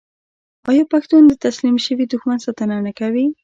آیا پښتون د تسلیم شوي دښمن ساتنه نه کوي؟